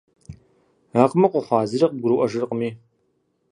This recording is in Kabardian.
Акъмыкъ ухъуа, зыри къыбгурыӏуэжыркъыми?